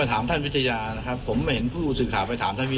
สนุนโดยน้ำดื่มสิง